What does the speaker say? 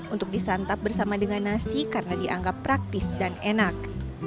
untuk disantap bersama dengan nasi karena dianggap praktis dan enak